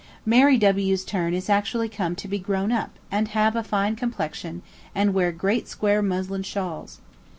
Mary W.'s turn is actually come to be grown up, and have a fine complexion, and wear great square muslin shawls.